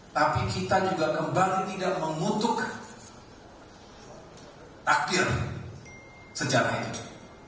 tapi kita juga kembali tidak mengutuk takdir sejarah ini